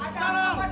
percaya padaku mati